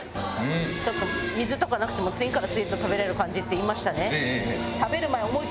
ちょっと「水とかなくても次から次へと食べられる感じ」って言いましたね？